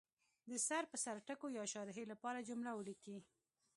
د سر په سر ټکو یا شارحې لپاره جمله ولیکي.